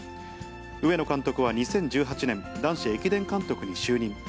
上野監督は２０１８年、男子駅伝監督に就任。